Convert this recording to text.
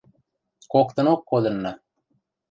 – Коктынок кодынна...